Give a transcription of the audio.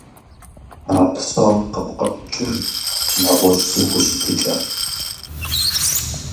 А псом къыпкърокӀыж нэгъуэщӀ зэхущытыкӀэ.